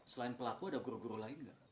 selain pelaku ada guru guru lain nggak